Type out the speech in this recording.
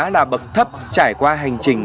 là bậc thấp trải qua hành trình